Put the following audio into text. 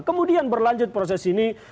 kemudian berlanjut proses ini